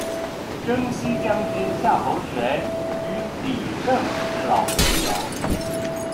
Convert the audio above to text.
征西将军夏侯玄与李胜是老朋友。